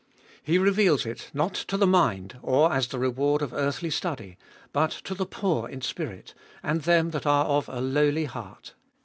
He reveals it not to the mind, or as the reward of earthly study, but to the poor in spirit and them that are of a lowly heart.